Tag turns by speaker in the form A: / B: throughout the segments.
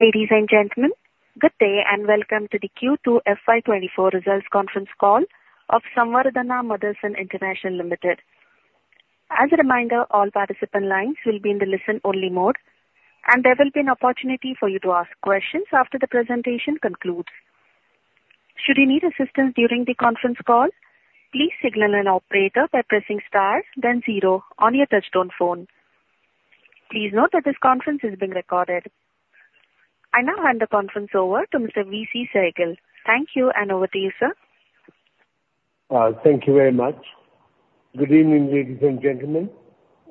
A: Ladies and gentlemen, good day, and welcome to the Q2 FY 2024 results conference call of Samvardhana Motherson International Limited. As a reminder, all participant lines will be in the listen-only mode, and there will be an opportunity for you to ask questions after the presentation concludes. Should you need assistance during the conference call, please signal an operator by pressing star, then zero on your touchtone phone. Please note that this conference is being recorded. I now hand the conference over to Mr. V.C. Sehgal. Thank you, and over to you, sir.
B: Thank you very much. Good evening, ladies and gentlemen.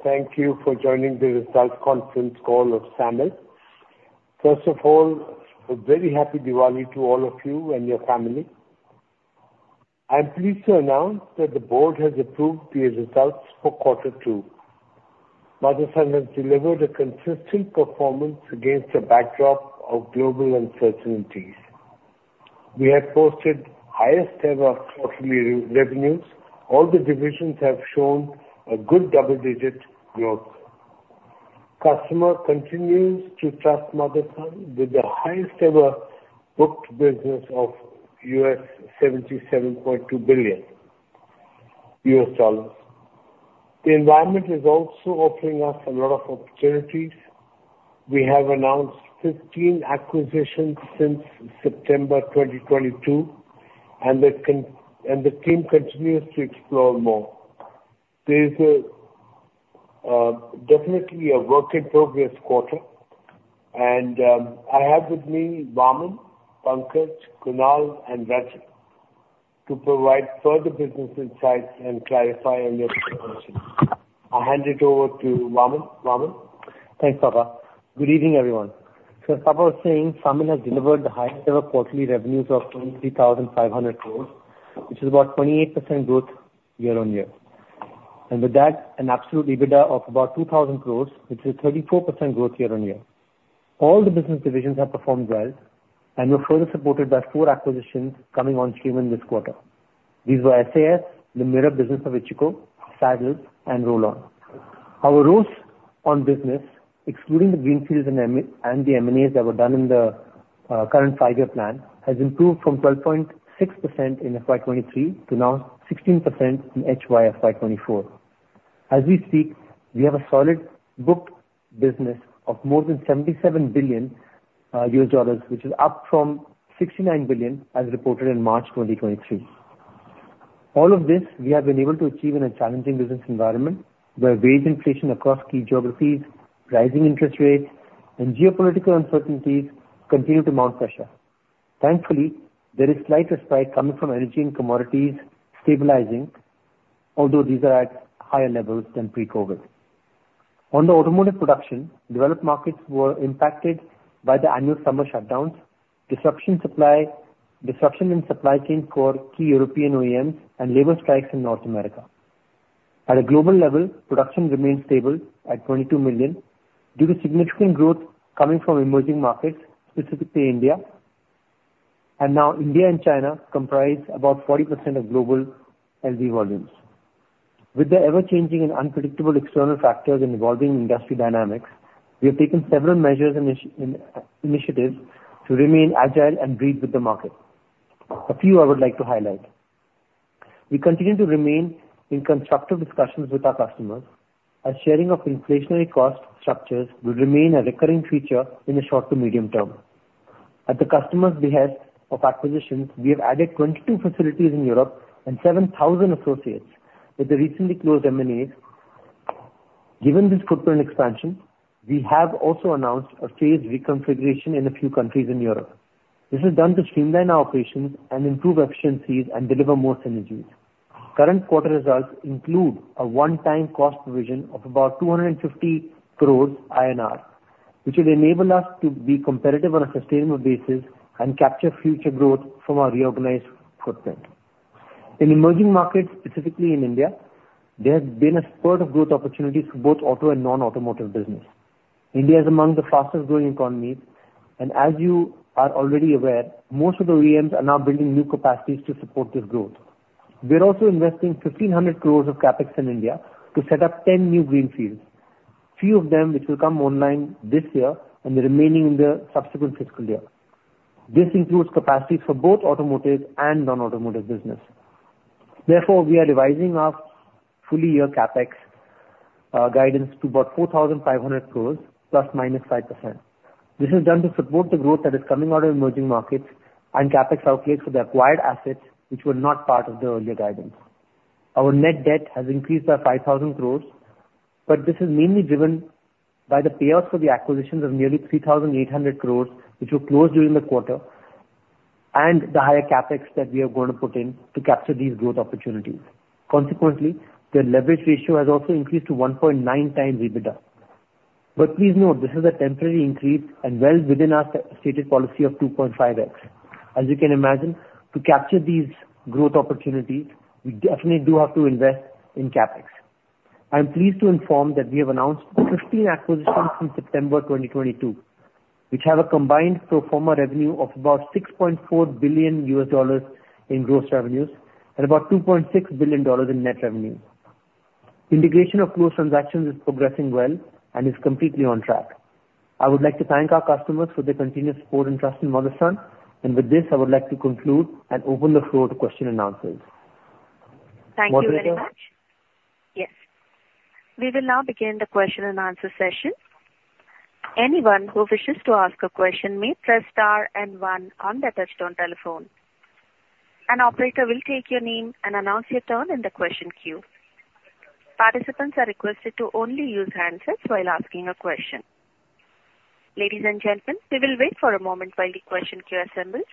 B: Thank you for joining the results conference call of SAMIL. First of all, a very happy Diwali to all of you and your family. I'm pleased to announce that the board has approved the results for quarter two. Motherson has delivered a consistent performance against a backdrop of global uncertainties. We have posted highest ever quarterly revenues. All the divisions have shown a good double-digit growth. Customers continue to trust Motherson with the highest ever booked business of $77.2 billion. The environment is also offering us a lot of opportunities. We have announced 15 acquisitions since September 2022, and the team continues to explore more. This is definitely a work in progress quarter, and I have with me Vaaman, Pankaj, Kunal, and Rajan to provide further business insights and clarify any questions. I'll hand it over to Vaaman. Vaaman?
C: Thanks, Papa. Good evening, everyone. So as Papa was saying, Vaaman has delivered the highest ever quarterly revenues of 23,500 crore, which is about 28% growth year-on-year, and with that, an absolute EBITDA of about 2,000 crore, which is 34% growth year-on-year. All the business divisions have performed well and were further supported by four acquisitions coming on stream in this quarter. These were SAS, the mirror business of Ichikoh, Saddles and Yachiyo. Our book business, excluding the greenfields and M&As that were done in the current five-year plan, has improved from 12.6% in FY 2023 to now 16% in HY FY 2024. As we speak, we have a solid booked business of more than $77 billion US dollars, which is up from $69 billion, as reported in March 2023. All of this we have been able to achieve in a challenging business environment, where wage inflation across key geographies, rising interest rates and geopolitical uncertainties continue to mount pressure. Thankfully, there is slight respite coming from energy and commodities stabilizing, although these are at higher levels than pre-COVID. On the automotive production, developed markets were impacted by the annual summer shutdowns, disruption supply, disruption in supply chain for key European OEMs and labor strikes in North America. At a global level, production remains stable at 22 million due to significant growth coming from emerging markets, specifically India. And now India and China comprise about 40% of global LD volumes. With the ever-changing and unpredictable external factors and evolving industry dynamics, we have taken several measures and initiatives to remain agile and breathe with the market. A few I would like to highlight: We continue to remain in constructive discussions with our customers, as sharing of inflationary cost structures will remain a recurring feature in the short to medium term. At the customer's behest of acquisitions, we have added 22 facilities in Europe and 7,000 associates with the recently closed M&As. Given this footprint expansion, we have also announced a phase reconfiguration in a few countries in Europe. This is done to streamline our operations and improve efficiencies and deliver more synergies. Current quarter results include a one-time cost provision of about 250 crores INR, which will enable us to be competitive on a sustainable basis and capture future growth from our reorganized footprint. In emerging markets, specifically in India, there has been a spurt of growth opportunities for both auto and non-automotive business. India is among the fastest growing economies, and as you are already aware, most of the OEMs are now building new capacities to support this growth. We're also investing 1,500 crores of CapEx in India to set up 10 new greenfields, few of them which will come online this year and the remaining in the subsequent fiscal year. This includes capacities for both automotive and non-automotive business. Therefore, we are revising our full year CapEx guidance to about 4,500 crores ±5%. This is done to support the growth that is coming out of emerging markets and CapEx outlays for the acquired assets, which were not part of the earlier guidance. Our net debt has increased by 5,000 crore, but this is mainly driven by the payoffs for the acquisitions of nearly 3,800 crore, which were closed during the quarter, and the higher CapEx that we are going to put in to capture these growth opportunities. Consequently, the leverage ratio has also increased to 1.9 times EBITDA. But please note, this is a temporary increase and well within our stated policy of 2.5x. As you can imagine, to capture these growth opportunities, we definitely do have to invest in CapEx. I'm pleased to inform that we have announced 15 acquisitions since September 2022, which have a combined pro forma revenue of about $6.4 billion in gross revenues and about $2.6 billion in net revenue. Integration of close transactions is progressing well and is completely on track. I would like to thank our customers for their continuous support and trust in Motherson. And with this, I would like to conclude and open the floor to questions and answers.
A: Thank you very much. Yes. We will now begin the question and answer session. Anyone who wishes to ask a question may press star and one on their touchtone telephone. An operator will take your name and announce your turn in the question queue. Participants are requested to only use handsets while asking a question. Ladies and gentlemen, we will wait for a moment while the question queue assembles.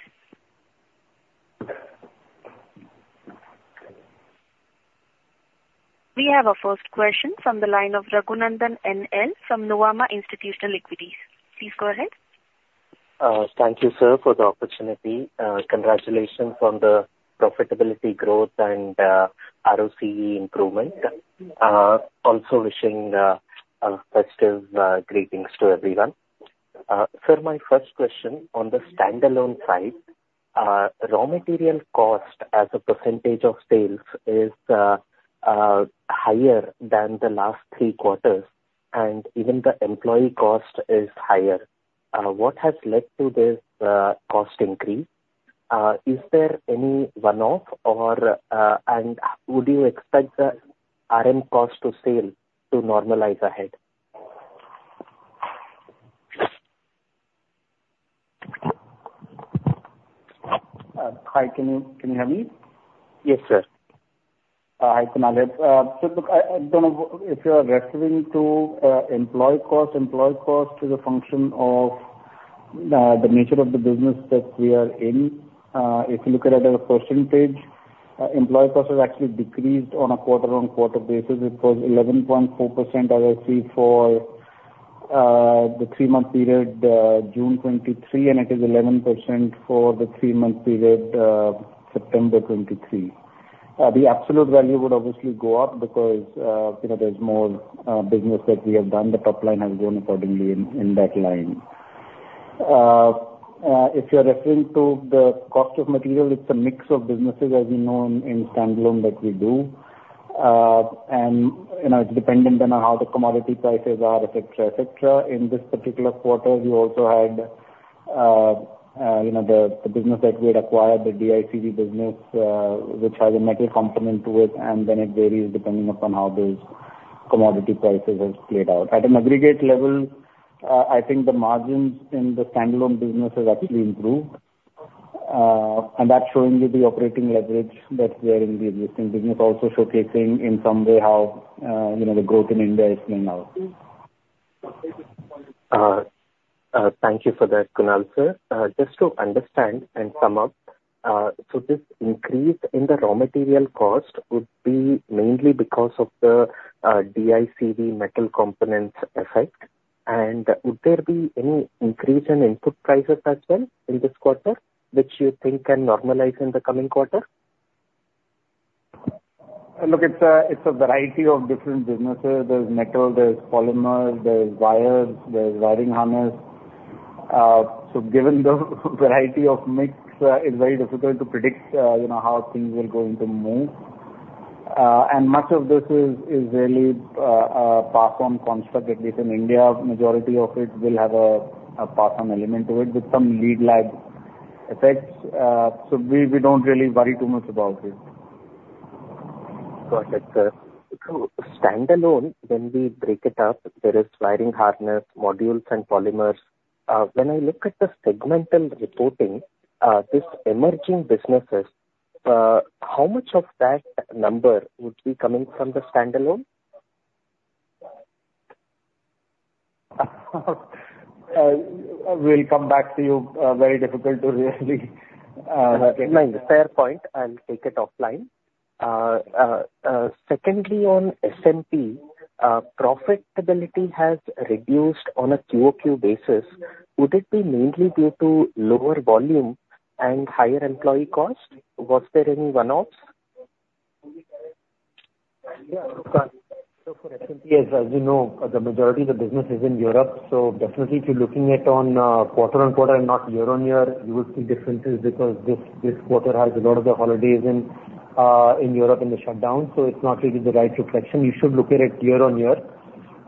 A: We have our first question from the line of Raghunandhan N.L. from Nuvama Institutional Equities. Please go ahead.
D: Thank you, sir, for the opportunity. Congratulations on the profitability growth and ROCE improvement. Also wishing festive greetings to everyone. Sir, my first question on the standalone side, raw material cost as a percentage of sales is higher than the last three quarters, and even the employee cost is higher. What has led to this cost increase? Is there any one-off or, and would you expect the RM cost to sale to normalize ahead?
E: Hi, can you, can you hear me?
D: Yes, sir.
E: I can now hear. So look, I don't know if you're referring to employee cost. Employee cost is a function of the nature of the business that we are in. If you look at it as a percentage, employee cost has actually decreased on a quarter-over-quarter basis. It was 11.4% ROCE for the three-month period June 2023, and it is 11% for the three-month period September 2023. The absolute value would obviously go up because, you know, there's more business that we have done. The top line has grown accordingly in that line. If you're referring to the cost of material, it's a mix of businesses as you know, in standalone that we do. And, you know, it's dependent on how the commodity prices are, et cetera, et cetera. In this particular quarter, we also had, you know, the business that we had acquired, the DICV business, which has a metal component to it, and then it varies depending upon how those commodity prices have played out. At an aggregate level, I think the margins in the standalone business has actually improved, and that's showing you the operating leverage that we are in the existing business. Also showcasing in some way how, you know, the growth in India is playing out.
D: Thank you for that, Kunal, sir. Just to understand and sum up, so this increase in the raw material cost would be mainly because of the DICV metal components effect? And would there be any increase in input prices as well in this quarter, which you think can normalize in the coming quarter?
E: Look, it's a, it's a variety of different businesses. There's metal, there's polymers, there's wires, there's wiring harness. So given the variety of mix, it's very difficult to predict, you know, how things are going to move. And much of this is really pass on construct, at least in India. Majority of it will have a pass on element to it with some lead lag effects. So we don't really worry too much about it.
D: Got it, sir. So standalone, when we break it up, there is wiring harness, modules, and polymers. When I look at the segmental reporting, this emerging businesses, how much of that number would be coming from the standalone?
E: We'll come back to you. Very difficult to really,
D: No, fair point. I'll take it offline. Secondly, on SMP, profitability has reduced on a QOQ basis. Would it be mainly due to lower volume and higher employee cost? Was there any one-offs?
E: Yeah. So for SMP, as you know, the majority of the business is in Europe, so definitely if you're looking at quarter-on-quarter and not year-on-year, you will see differences because this, this quarter has a lot of the holidays in Europe and the shutdown, so it's not really the right reflection. You should look at it year-on-year.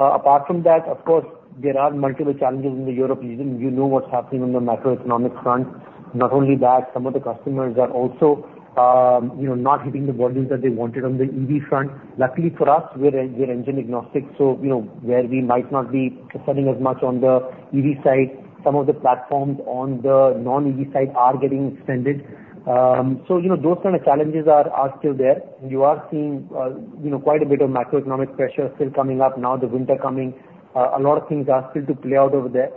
E: Apart from that, of course, there are multiple challenges in the Europe region. You know what's happening on the macroeconomic front. Not only that, some of the customers are also, you know, not hitting the volumes that they wanted on the EV front. Luckily for us, we're engine agnostic, so you know, where we might not be selling as much on the EV side, some of the platforms on the non-EV side are getting extended. So you know, those kind of challenges are still there. You are seeing, you know, quite a bit of macroeconomic pressure still coming up, now, the winter coming. A lot of things are still to play out over there.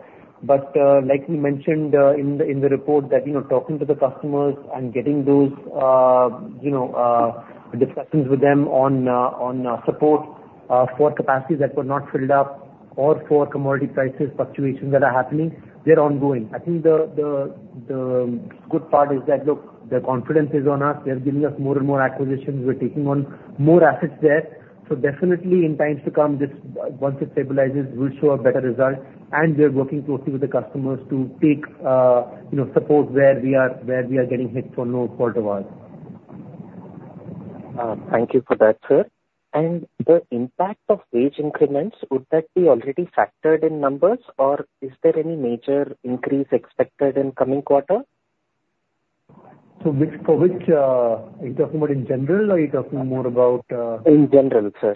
E: But, like we mentioned, in the report that, you know, talking to the customers and getting those, you know, discussions with them on, on, support for capacities that were not filled up or for commodity prices fluctuation that are happening, they're ongoing. I think the good part is that, look, their confidence is on us. They're giving us more and more acquisitions. We're taking on more assets there. So definitely in times to come, this, once it stabilizes, will show a better result, and we are working closely with the customers to take, you know, support where we are, where we are getting hit for no fault of ours.
D: Thank you for that, sir. The impact of wage increments, would that be already factored in numbers, or is there any major increase expected in coming quarter?
E: So which, for which, are you talking about in general, or are you talking more about?
D: In general, sir.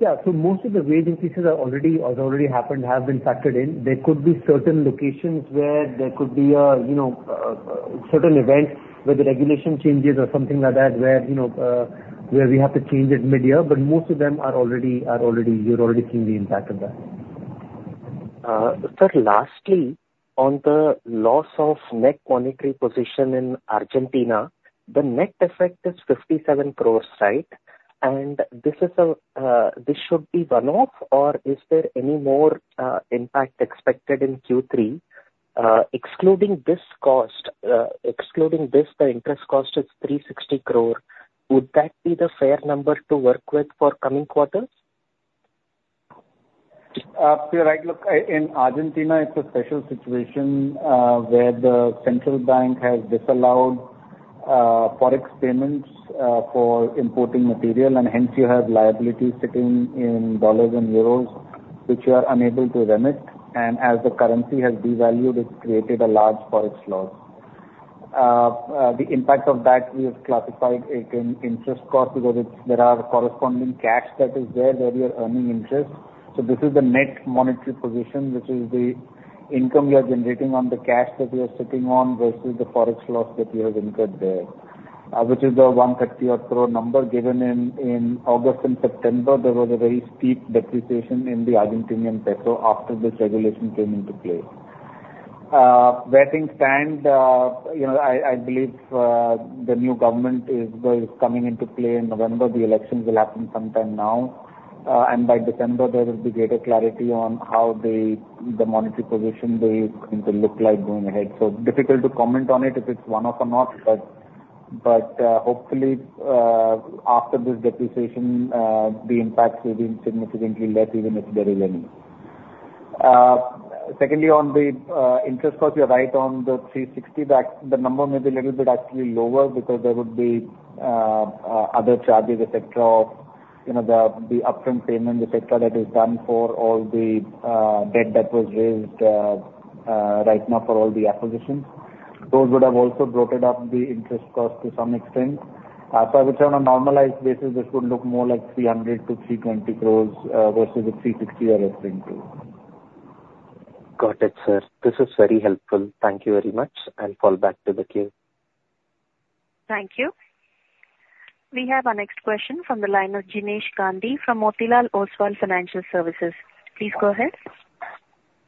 E: Yeah. So most of the wage increases are already, has already happened, have been factored in. There could be certain locations where there could be a, you know, certain events, where the regulation changes or something like that, where, you know, where we have to change it midyear, but most of them are already, are already—you've already seen the impact of that.
D: Sir, lastly, on the loss of net monetary position in Argentina, the net effect is 57 crore, right? And this is a, this should be one-off, or is there any more impact expected in Q3? Excluding this cost, the interest cost is 360 crore. Would that be the fair number to work with for coming quarters?
E: You're right. Look, in Argentina, it's a special situation, where the central bank has disallowed Forex payments for importing material, and hence, you have liabilities sitting in dollars and euros, which you are unable to remit, and as the currency has devalued, it's created a large Forex loss. The impact of that, we have classified it in interest cost because it's, there are corresponding cash that is there, where we are earning interest. So this is the net monetary position, which is the income we are generating on the cash that we are sitting on, versus the Forex loss that we have incurred there, which is the 130 crore number. Given in August and September, there was a very steep depreciation in the Argentine peso after this regulation came into play. Where things stand, you know, I, I believe, the new government is, is coming into play in November. The elections will happen sometime now, and by December there will be greater clarity on how the, the monetary position they, going to look like going ahead. So difficult to comment on it, if it's one-off or not, but, but, hopefully, after this depreciation, the impacts will be significantly less, even if there is any. Secondly, on the, interest cost, you're right on the 360, the number may be a little bit actually lower because there would be, other charges, et cetera, or, you know, the, the upfront payments, et cetera, that is done for all the, debt that was raised, right now for all the acquisitions. Those would have also broken up the interest cost to some extent. But which on a normalized basis, this would look more like 300 crore-320 crore, versus the 360 crore you are referring to.
D: Got it, sir. This is very helpful. Thank you very much. I'll fall back to the queue.
A: Thank you. We have our next question from the line of Jinesh Gandhi from Motilal Oswal Financial Services. Please go ahead.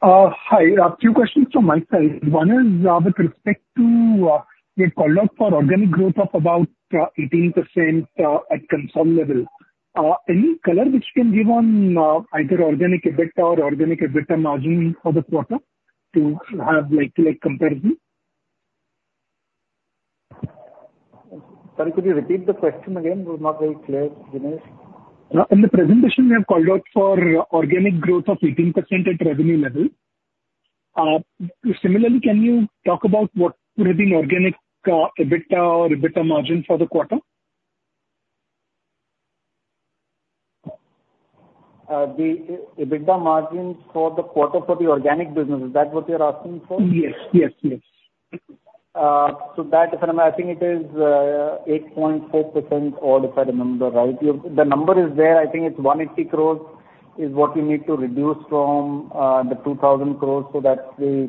F: Hi. A few questions from my side. One is, with respect to, your call-out for organic growth of about 18% at console level. Any color which you can give on either organic EBITDA or organic EBITDA margin for the quarter, to have like, like, comparison?
E: Sorry, could you repeat the question again? It was not very clear, Jinesh.
F: In the presentation, you have called out for organic growth of 18% at revenue level. Similarly, can you talk about what would have been organic, EBITDA or EBITDA margin for the quarter?
E: The EBITDA margin for the quarter for the organic business, is that what you're asking for?
F: Yes. Yes, yes.
E: So that, I think it is 8.4%, or if I remember right. The number is there, I think it's 180 crore is what we need to reduce from the 2,000 crore, so that's the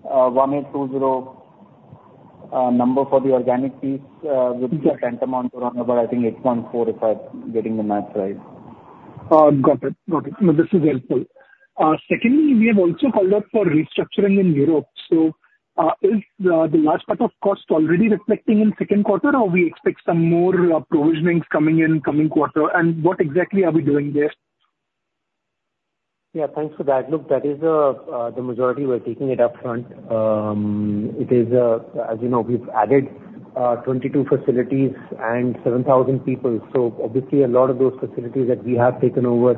E: 1,820 number for the organic piece, which is tantamount to around about, I think, 8.4%, if I'm getting the math right.
F: Got it. Got it. No, this is helpful. Secondly, we have also called out for restructuring in Europe, so, is the last part of cost already reflecting in second quarter, or we expect some more provisionings coming in coming quarter? And what exactly are we doing there?
E: Yeah, thanks for that. Look, that is, the majority, we're taking it upfront. It is, as you know, we've added, 22 facilities and 7,000 people, so obviously a lot of those facilities that we have taken over,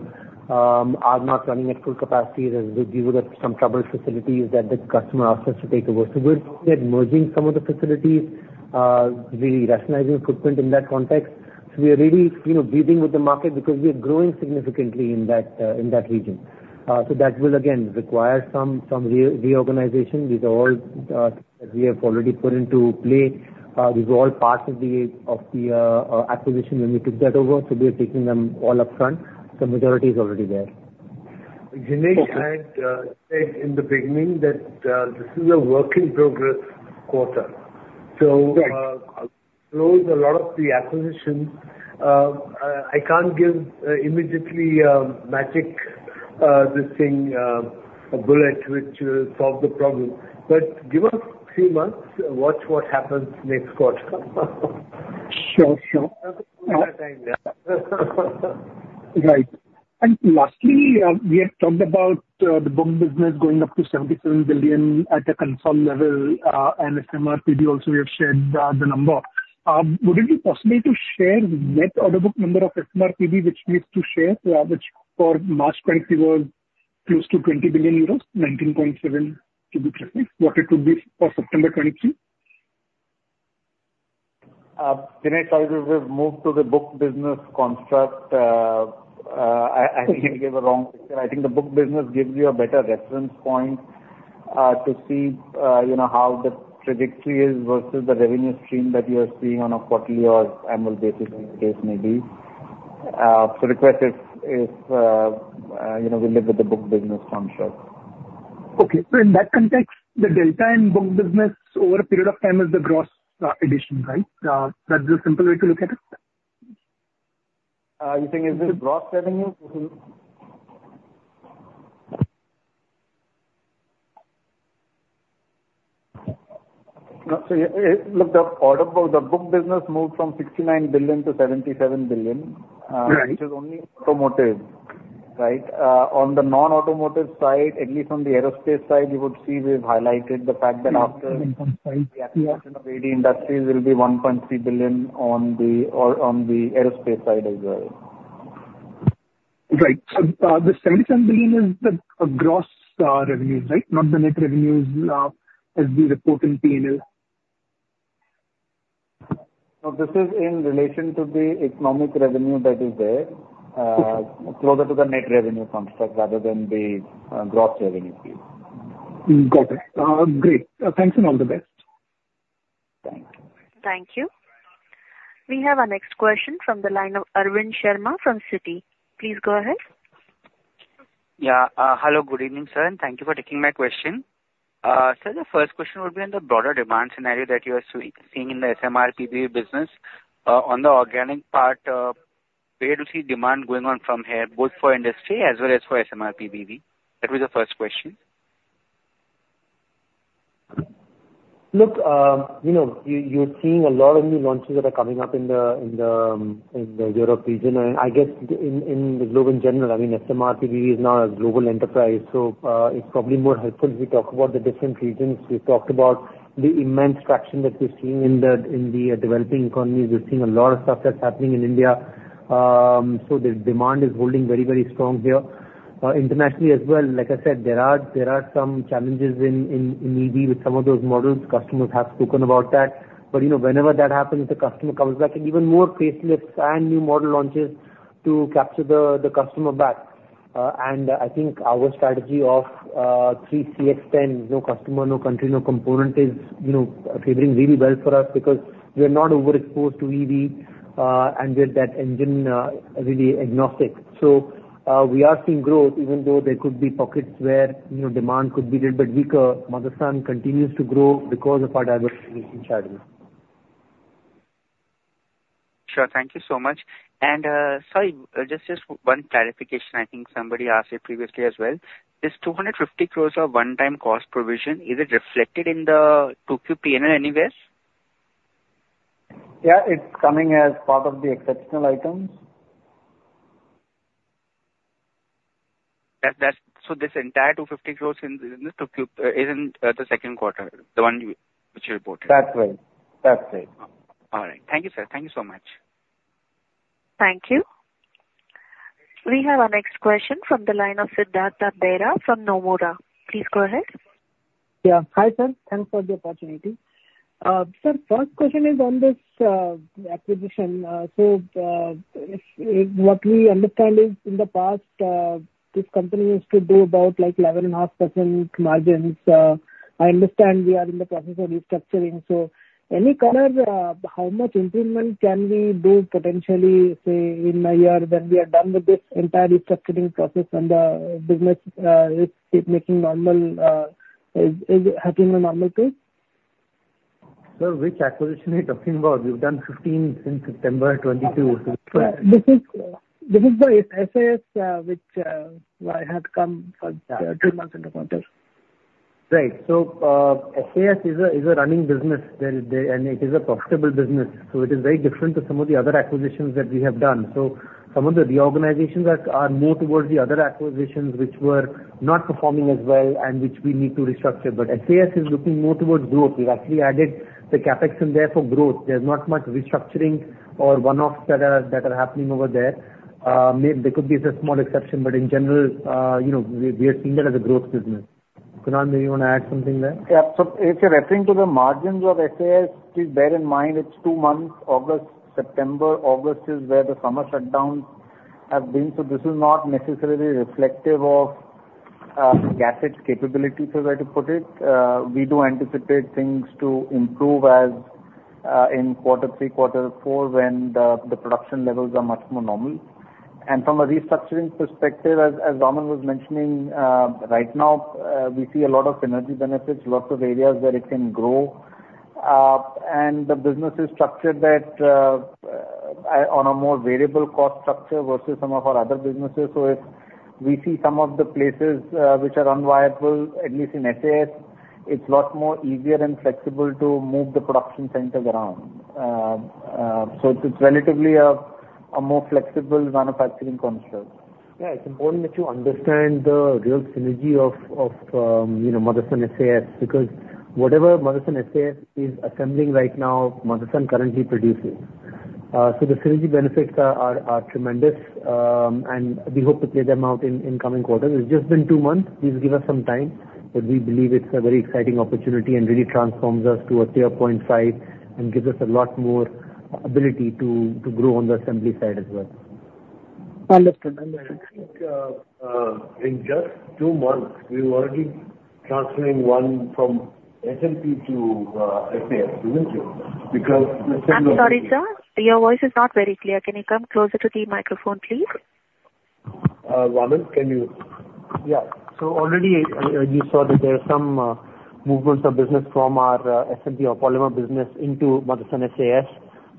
E: are not running at full capacity. There's, we would have some troubled facilities that the customer asked us to take over. So we're looking at merging some of the facilities, really rationalizing footprint in that context. So we are really, you know, dealing with the market because we are growing significantly in that, in that region. So that will again require some reorganization. These are all, we have already put into play. These are all part of the acquisition when we took that over, so we are taking them all upfront. The majority is already there.
F: Okay.
E: Jinesh had said in the beginning that this is a work in progress quarter.
F: Right.
E: So, there is a lot of the acquisitions. I can't give immediately magic this thing a bullet which will solve the problem. But give us three months. Watch what happens next quarter.
F: Sure. Sure.
E: With time, yeah.
F: Right. And lastly, we had talked about, the book business going up to $77 billion at the consolidated level, and SMRPBV also you have shared, the number. Would it be possible to share net order book number of SMRPBV which needs to share, which for March 2020 was?... close to 20 billion euros, 19.7 to be precise, what it could be for September 2022?
E: Can I tell you, we've moved to the book business construct. I think you gave a wrong picture. I think the book business gives you a better reference point to see, you know, how the trajectory is versus the revenue stream that you are seeing on a quarterly or annual basis, as the case may be. So request if you know, we live with the book business construct.
F: Okay. So in that context, the delta in Book Business over a period of time is the gross addition, right? That's the simple way to look at it?
E: You think is this gross revenue? No. So yeah, look, the order book, the Book Business moved from $69 billion to $77 billion.
F: Right.
E: which is only automotive, right? On the non-automotive side, at least on the aerospace side, you would see we've highlighted the fact that after-
F: Right.
E: The acquisition of AD Industries will be $1.3 billion on the aerospace side as well.
F: Right. So, the $77 billion is the gross revenue, right? Not the net revenues, as we report in P&L.
E: No, this is in relation to the economic revenue that is there.
F: Okay.
E: Closer to the net revenue construct rather than the gross revenue view.
F: Got it. Great. Thanks, and all the best.
E: Thank you.
A: Thank you. We have our next question from the line of Arvind Sharma from Citi. Please go ahead.
G: Yeah. Hello, good evening, sir, and thank you for taking my question. So the first question would be on the broader demand scenario that you are seeing in the SMRPBV business. On the organic part, where do you see demand going on from here, both for industry as well as for SMRPBV? That was the first question.
C: Look, you know, you're seeing a lot of new launches that are coming up in the Europe region, and I guess in the globe in general. I mean, SMRPBV is now a global enterprise, so it's probably more helpful if we talk about the different regions. We talked about the immense traction that we're seeing in the developing economies. We're seeing a lot of stuff that's happening in India. So the demand is holding very, very strong here. Internationally as well, like I said, there are some challenges in EV with some of those models. Customers have spoken about that. But, you know, whenever that happens, the customer comes back, and even more facelifts and new model launches to capture the customer back. I think our strategy of 3CX10, no customer, no country, no component is, you know, favoring really well for us because we are not overexposed to EV, and we're really engine-agnostic. So, we are seeing growth even though there could be pockets where, you know, demand could be a little bit weaker. Motherson continues to grow because of our diversification strategy.
G: Sure. Thank you so much. And, sorry, just one clarification. I think somebody asked it previously as well. This 250 crore of one-time cost provision, is it reflected in the 2Q P&L anyways?
E: Yeah, it's coming as part of the exceptional items.
G: So this entire 250 crore in the 2Q is in the second quarter, the one which you reported?
E: That's right. That's right.
G: All right. Thank you, sir. Thank you so much.
A: Thank you. We have our next question from the line of Siddhartha Bera from Nomura. Please go ahead.
H: Yeah. Hi, sir, thanks for the opportunity. Sir, first question is on this acquisition. So, if what we understand is, in the past, this company used to do about, like, 11.5% margins. I understand we are in the process of restructuring, so any color, how much improvement can we do potentially, say, in a year, when we are done with this entire restructuring process and the business is happening on normal pace?
C: Sir, which acquisition are you talking about? We've done 15 since September of 2022.
H: This is the SAS, which had come for two months into context.
C: Right. So, SAS is a running business there, and it is a profitable business, so it is very different to some of the other acquisitions that we have done. So some of the reorganizations are more towards the other acquisitions, which were not performing as well and which we need to restructure. But SAS is looking more towards growth. We've actually added the CapEx in there for growth. There's not much restructuring or one-offs that are happening over there. There could be just a small exception, but in general, you know, we are seeing that as a growth business. Kunal, maybe you want to add something there?
E: Yeah. So if you're referring to the margins of SAS, please bear in mind it's two months, August, September. August is where the summer shutdowns have been. So this is not necessarily reflective of SAS's capability, so where to put it. We do anticipate things to improve as in quarter three, quarter four, when the production levels are much more normal. And from a restructuring perspective, as Rajan was mentioning, right now we see a lot of synergy benefits, lots of areas where it can grow. And the business is structured that on a more variable cost structure versus some of our other businesses. So if we see some of the places which are unviable, at least in SAS, it's a lot more easier and flexible to move the production centers around. So it's relatively a more flexible manufacturing construct.
C: Yeah, it's important that you understand the real synergy of, you know, Motherson SAS, because whatever Motherson SAS is assembling right now, Motherson currently produces.
E: So the synergy benefits are tremendous, and we hope to play them out in coming quarters. It's just been two months. Please give us some time, but we believe it's a very exciting opportunity and really transforms us to a [Tier 0.5] and gives us a lot more ability to grow on the assembly side as well.
H: Understood.
I: I think, in just two months, we're already transferring one from SMP to SAS, isn't it? Because-
H: I'm sorry, sir, your voice is not very clear. Can you come closer to the microphone, please?
I: Raman, can you?
E: Yeah. So already, you saw that there are some movements of business from our SMP or polymer business into Motherson SAS.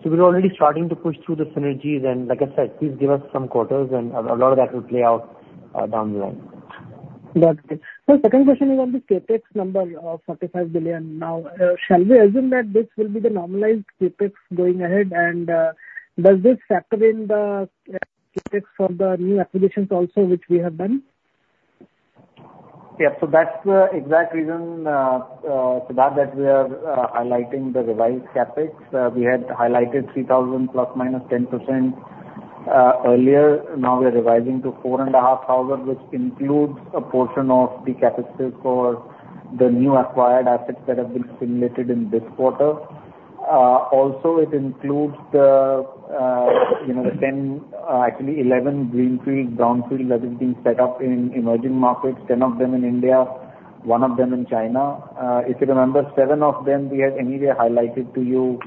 E: So we're already starting to push through the synergies, and like I said, please give us some quarters, and a lot of that will play out down the line.
H: Got it. So second question is on the CapEx number of 45 billion. Now, shall we assume that this will be the normalized CapEx going ahead, and, does this factor in the, CapEx for the new acquisitions also, which we have done?
E: Yeah. So that's the exact reason, so that we are highlighting the revised CapEx. We had highlighted 3,000 ±10%, earlier. Now we are revising to 4,500, which includes a portion of the CapEx for the new acquired assets that have been simulated in this quarter. Also, it includes the, you know, the 10, actually 11 greenfield, brownfield that have been set up in emerging markets, 10 of them in India, 1 of them in China. If you remember, 7 of them we had anyway highlighted to you,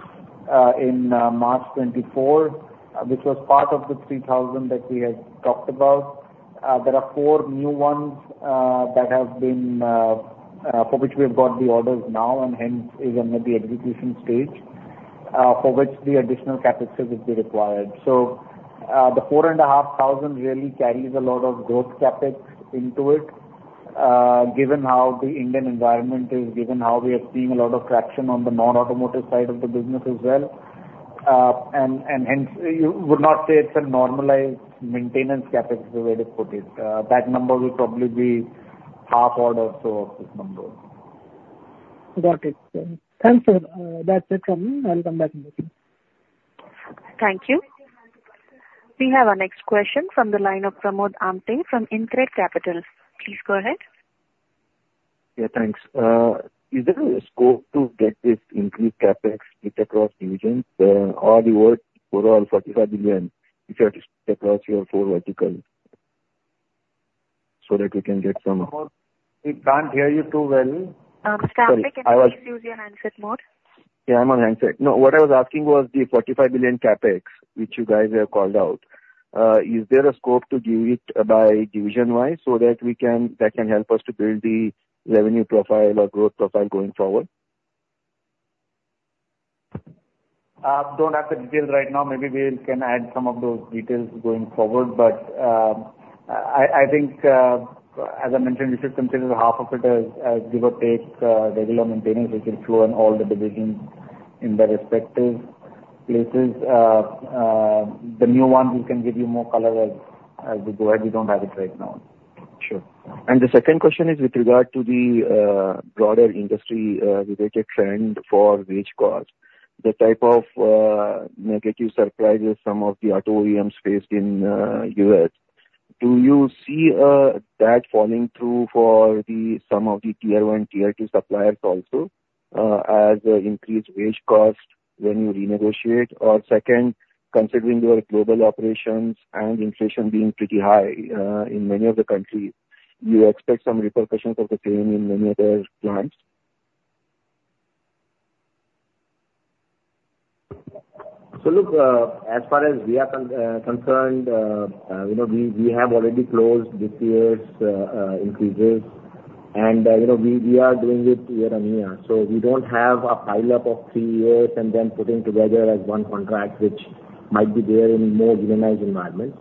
E: in March 24, 2024, which was part of the 3,000 that we had talked about. There are four new ones that have been for which we have got the orders now, and hence is under the execution stage for which the additional capital would be required. So, the 4,500 really carries a lot of growth CapEx into it, given how the Indian environment is, given how we are seeing a lot of traction on the non-automotive side of the business as well. And hence, you would not say it's a normalized maintenance CapEx, the way to put it. That number will probably be half odd or so of this number.
H: Got it. Thanks, sir. That's it from me. I'll come back in touch.
A: Thank you. We have our next question from the line of Pramod Amthe from InCred Capital. Please go ahead.
J: Yeah, thanks. Is there a scope to get this increased CapEx split across regions, or the overall 45 billion, if you had to split across your four verticals, so that we can get some-
E: Pramod, we can't hear you too well.
A: Sorry, can you please use your handset mode?
J: Yeah, I'm on handset. No, what I was asking was the $45 billion CapEx, which you guys have called out. Is there a scope to give it by division-wise, so that we can—that can help us to build the revenue profile or growth profile going forward?
E: Don't have the details right now. Maybe we can add some of those details going forward. But I think, as I mentioned, you should consider half of it as give or take regular maintenance, which will flow in all the divisions in the respective places. The new one, we can give you more color as we go ahead. We don't have it right now.
J: Sure. And the second question is with regard to the broader industry related trend for wage costs, the type of negative surprises some of the OEMs faced in U.S. Do you see that falling through for some of the Tier 1, Tier 2 suppliers also as an increased wage cost when you renegotiate? Or second, considering your global operations and inflation being pretty high in many of the countries, do you expect some repercussions of the same in many other plants?
E: So look, as far as we are concerned, you know, we have already closed this year's increases, and, you know, we are doing it year on year. So we don't have a pileup of three years and then putting together as one contract, which might be there in more organized environments.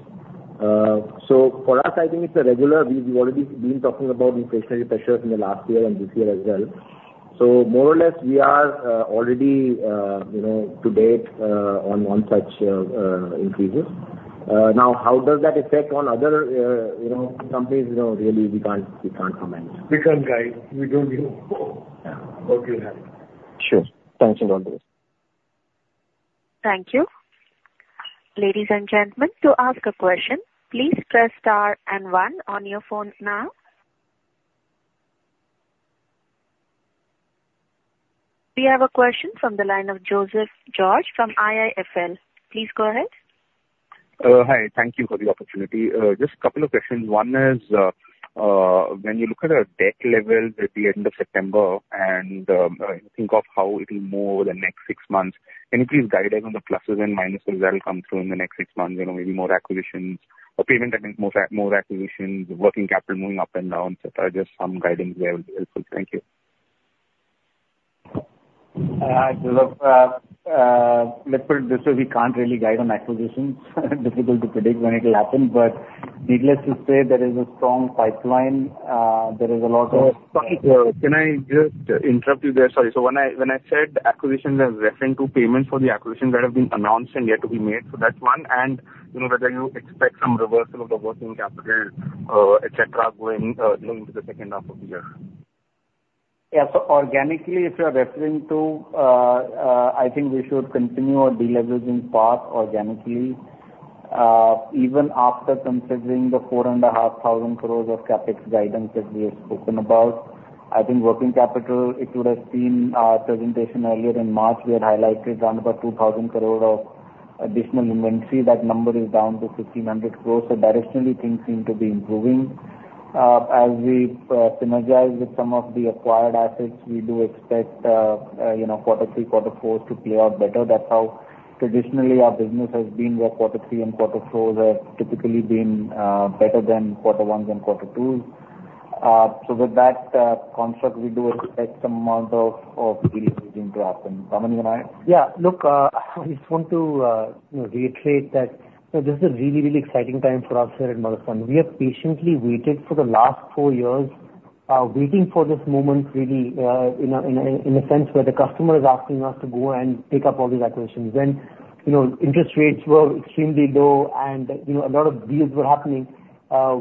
E: So for us, I think it's a regular. We've already been talking about inflationary pressures in the last year and this year as well. So more or less we are already, you know, to date, on such increases. Now, how does that affect on other, you know, companies? You know, really, we can't comment.
I: We can't guide. We don't know.
J: Yeah.
I: Okay.
J: Sure. Thanks a lot.
A: Thank you. Ladies and gentlemen, to ask a question, please press star and one on your phone now. We have a question from the line of Joseph George from IIFL. Please go ahead.
K: Hi, thank you for the opportunity. Just a couple of questions. One is, when you look at our debt level at the end of September and, think of how it will move the next six months, any please guidance on the pluses and minuses that will come through in the next six months? You know, maybe more acquisitions or payment, I think more acquisitions, working capital moving up and down, et cetera. Just some guidance there will be helpful. Thank you.
E: Let's put it this way, we can't really guide on acquisitions. Difficult to predict when it will happen, but needless to say, there is a strong pipeline. There is a lot of-
C: Sorry, can I just interrupt you there? Sorry. So when I said acquisitions, I was referring to payment for the acquisitions that have been announced and yet to be made. So that's one, and, you know, whether you expect some reversal of the working capital, et cetera, going into the second half of the year.
E: Yes, so organically, if you are referring to, I think we should continue our deleveraging path organically, even after considering the 4,500 crore of CapEx guidance that we have spoken about. I think working capital, if you would have seen our presentation earlier in March, we had highlighted around about 2,000 crore of additional inventory. That number is down to 1,500 crore. So directionally, things seem to be improving. As we synergize with some of the acquired assets, we do expect, you know, quarter three, quarter four to play out better. That's how traditionally our business has been, where quarter three and quarter four have typically been better than quarter ones and quarter twos. So with that construct, we do expect some amount of deleveraging to happen. Vaaman, you want to add?
C: Yeah. Look, I just want to, you know, reiterate that, you know, this is a really, really exciting time for us here at Motherson. We have patiently waited for the last four years, waiting for this moment, really, in a sense where the customer is asking us to go and pick up all these acquisitions. When, you know, interest rates were extremely low and, you know, a lot of deals were happening,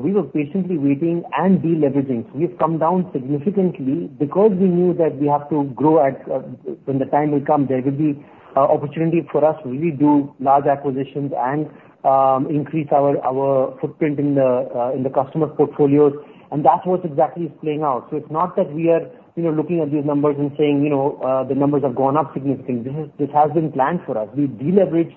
C: we were patiently waiting and deleveraging. So we've come down significantly because we knew that we have to grow at, when the time will come, there will be, opportunity for us to really do large acquisitions and, increase our, our footprint in the, in the customer portfolios, and that's what exactly is playing out. So it's not that we are, you know, looking at these numbers and saying, you know, the numbers have gone up significantly. This has been planned for us. We've deleveraged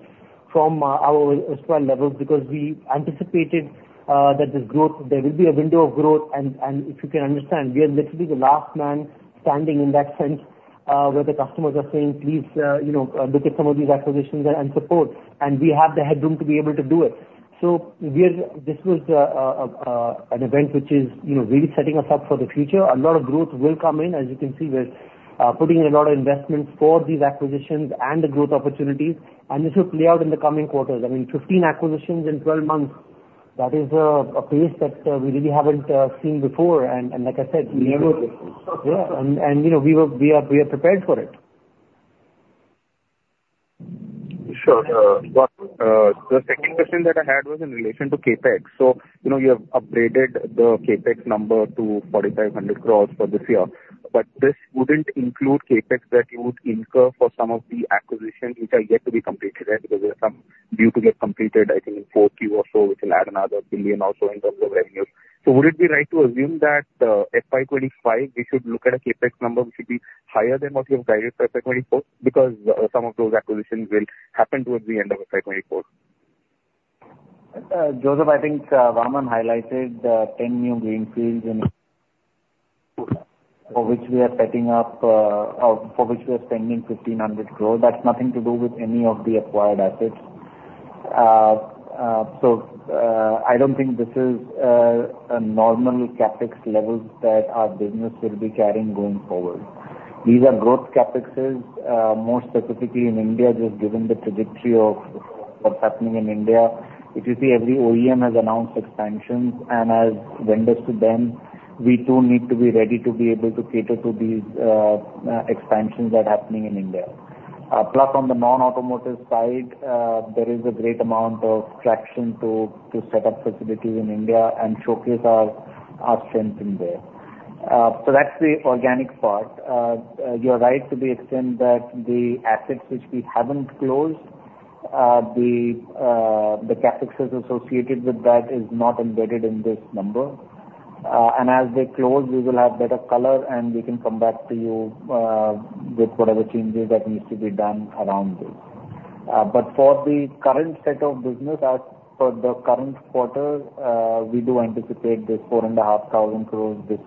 C: from our current levels because we anticipated that there's growth, there will be a window of growth. And if you can understand, we are literally the last man standing in that sense, where the customers are saying, "Please, you know, look at some of these acquisitions and support." And we have the headroom to be able to do it. So we are—this was an event which is, you know, really setting us up for the future. A lot of growth will come in. As you can see, we're putting a lot of investments for these acquisitions and the growth opportunities, and this will play out in the coming quarters. I mean, 15 acquisitions in 12 months, that is a pace that we really haven't seen before. And like I said, we never. Yeah, and you know, we were, we are, we are prepared for it.
K: Sure. But the second question that I had was in relation to CapEx. So, you know, you have upgraded the CapEx number to 4,500 crore for this year, but this wouldn't include CapEx that you would incur for some of the acquisitions which are yet to be completed, right? Because there are some due to get completed, I think, in Q4 or so, which will add another $1 billion or so in terms of revenues. So would it be right to assume that FY 2025, we should look at a CapEx number which should be higher than what you have guided for FY 2024? Because some of those acquisitions will happen towards the end of FY 2024.
E: Joseph, I think Vaaman highlighted 10 new greenfields in, for which we are setting up, or for which we are spending 1,500 crore. That's nothing to do with any of the acquired assets. I don't think this is a normal CapEx levels that our business will be carrying going forward. These are growth CapExes, more specifically in India, just given the trajectory of what's happening in India. If you see, every OEM has announced expansions, and as vendors to them, we too need to be ready to be able to cater to these expansions that are happening in India. Plus, on the non-automotive side, there is a great amount of traction to set up facilities in India and showcase our strength in there. That's the organic part. You're right to the extent that the assets which we haven't closed, the CapExes associated with that is not embedded in this number. And as they close, we will have better color, and we can come back to you with whatever changes that needs to be done around this. But for the current state of business, as per the current quarter, we do anticipate this 4,500 crores this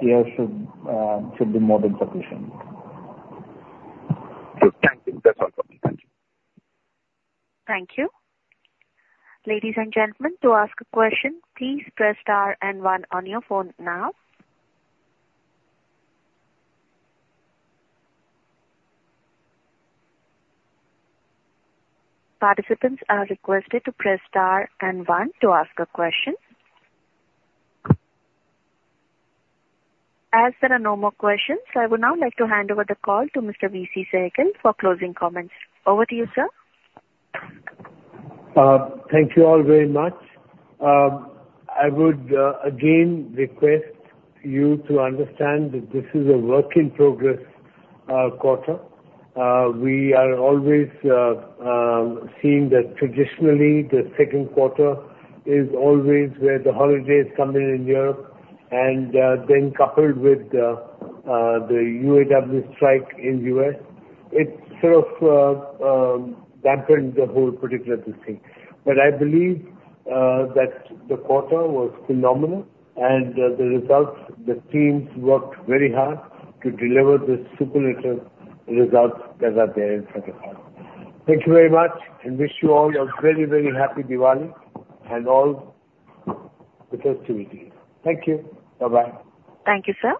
E: year should be more than sufficient.
K: Good. Thank you. That's all for me. Thank you.
A: Thank you. Ladies and gentlemen, to ask a question, please press star and one on your phone now. Participants are requested to press star and one to ask a question. As there are no more questions, I would now like to hand over the call to Mr. V.C. Sehgal for closing comments. Over to you, sir.
B: Thank you all very much. I would again request you to understand that this is a work in progress quarter. We are always seeing that traditionally, the second quarter is always where the holidays come in in Europe, and then coupled with the UAW strike in U.S., it sort of dampened the whole particular thing. But I believe that the quarter was phenomenal, and the results, the teams worked very hard to deliver the superlative results that are there in front of us. Thank you very much, and wish you all a very, very happy Diwali and all the best to you. Thank you. Bye-bye.
A: Thank you, sir.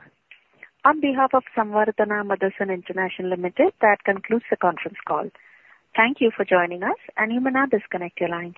A: On behalf of Samvardhana Motherson International Limited, that concludes the conference call. Thank you for joining us, and you may now disconnect your lines.